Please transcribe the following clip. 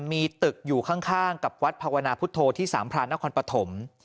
มีตึกอยู่ข้างกับวัดภาวนาพุทธโธที่สามพรานนครปฐม